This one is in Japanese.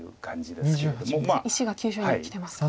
石が急所にきてますか。